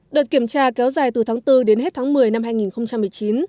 đợt kiểm tra kéo dài từ tháng bốn đến hết tháng một mươi năm hai nghìn một mươi chín